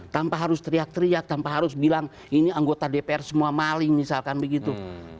tanpa harus teriak teriak tanpa harus bilang ini anggota dpr semua maling misalkan begitu